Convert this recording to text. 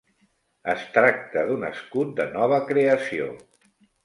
Es tracta d'un escut de nova creació.